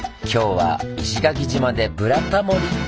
今日は石垣島で「ブラタモリ」！